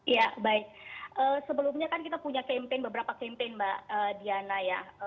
ya baik sebelumnya kan kita punya campaign beberapa campaign mbak diana ya